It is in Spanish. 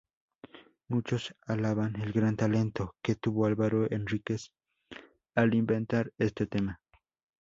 Muchos alaban el gran talento que tuvo Álvaro Henríquez, al inventar este tema.